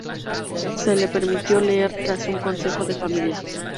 Se le permitió leer tras un consejo de familia.